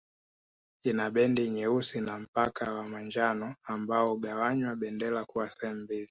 Ina bendi nyeusi na mpaka wa manjano ambao hugawanya bendera kuwa sehemu mbili